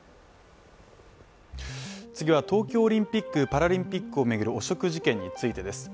次は東京オリンピック・パラリンピックを巡る汚職事件についてです。